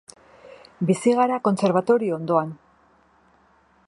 Bizi gira kontserbatorio ondoan.